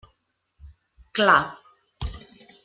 Clar.